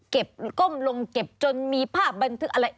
ก้มลงเก็บจนมีภาพบันทึกอะไร